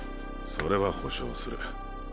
それは保証する。